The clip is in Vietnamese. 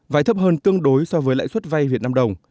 vai thấp hơn tương đối so với lãi suất vai việt nam đồng